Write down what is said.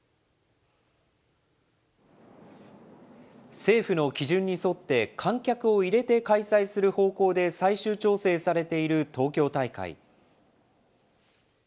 政府の基準に沿って、観客を入れて開催する方向で、最終調整されている東京大会。